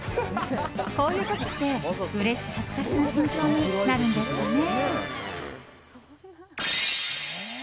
こういう時ってうれし恥ずかしな心境になるんですかね。